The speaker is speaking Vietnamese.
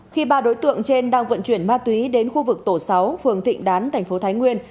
khi ba đối tượng trên đang vận chuyển ma túy đến khu vực tổ sáu phường thịnh đán thành phố thái nguyên